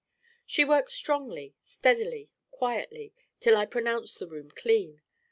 She works strongly, steadily, quietly till I pronounce the room clean.